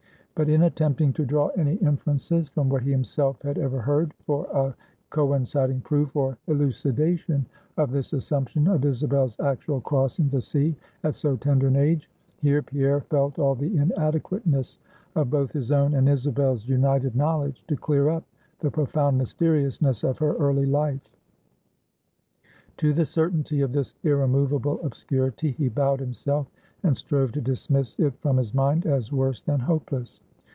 But in attempting to draw any inferences, from what he himself had ever heard, for a coinciding proof or elucidation of this assumption of Isabel's actual crossing the sea at so tender an age; here Pierre felt all the inadequateness of both his own and Isabel's united knowledge, to clear up the profound mysteriousness of her early life. To the certainty of this irremovable obscurity he bowed himself, and strove to dismiss it from his mind, as worse than hopeless.